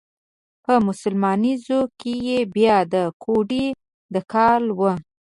په سليمانزو کې بيا د کوډۍ د کاله و.